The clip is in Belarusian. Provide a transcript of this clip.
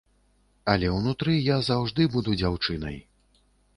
Але ўнутры я заўжды буду дзяўчынай.